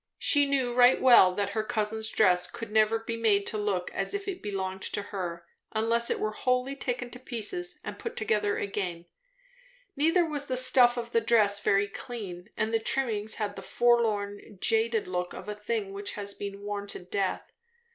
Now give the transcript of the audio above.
She knew right well that her cousin's dress could never be made to look as if it belonged to her, unless it were wholly taken to pieces and put together again; neither was the stuff of the dress very clean, and the trimmings had the forlorn, jaded look of a thing which has been worn to death.